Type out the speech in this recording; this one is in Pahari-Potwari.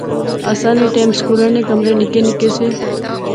اساں نے ٹیم سکولا نے کمرے نکے نکے سے